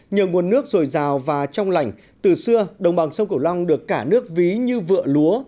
nhờ nguồn nước dồi dào và trong lành từ xưa đồng bằng sông cửu long được cả nước ví như vựa lúa